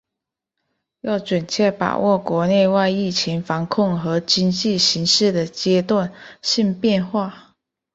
要准确把握国内外疫情防控和经济形势的阶段性变化